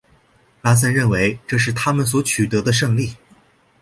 拉森认为这是他们所取得的胜利。